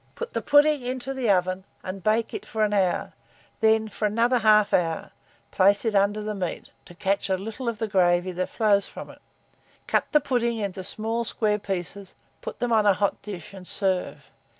Put the pudding into the oven, and bake it for an hour; then, for another 1/2 hour, place it under the meat, to catch a little of the gravy that flows from it. Cut the pudding into small square pieces, put them on a hot dish, and serve.